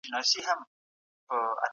په سالمه کورنۍ کې وخت نه ضایع کېږي.